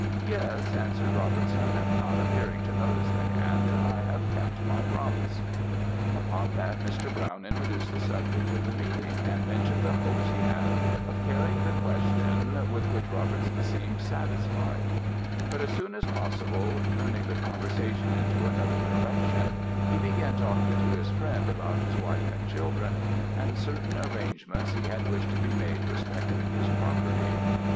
"'Yes,' answered Robertson, not appearing to notice the hand, 'I have kept my promise.' "Upon that Mr. Brown introduced the subject of the meeting, and mentioned the hopes he had of carrying the question, with which Robertson seemed satisfied; but as soon as possible turning the conversation into another direction, he began talking to his friend about his wife and children, and certain arrangements he had wished to be made respecting his property.